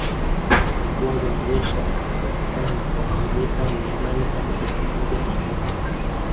Mvua zinanyesha kwa wastani wa milimita mia nane hadi elfu moja mia moja